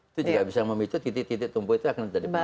itu juga bisa memicu titik titik tumbuh itu akan terjadi